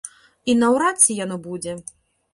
І наўрад ці яно будзе.